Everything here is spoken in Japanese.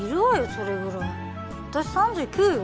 それぐらい私３９よ